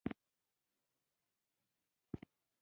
دوی باید د اصلي هدف په توګه وګڼل شي.